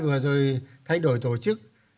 vừa rồi thay đổi tổ chức